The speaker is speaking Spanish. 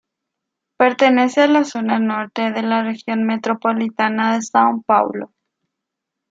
Pertenece a la zona norte de la región metropolitana de São Paulo.